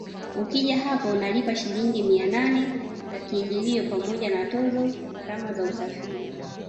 Ukija hapa unalipa Shilingi mia nane za kiingilio pamoja na tozo gharama za usafiri